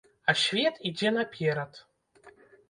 А свет ідзе наперад.